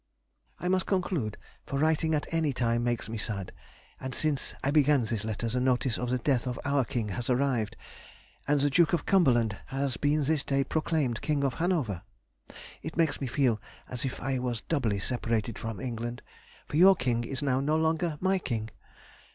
... I must conclude, for writing at any time makes me sad; and since I began this letter the notice of the death of our King has arrived, and the Duke of Cumberland has been this day proclaimed King of Hanover. It makes me feel as if I was doubly separated from England, for your King is now no longer my King.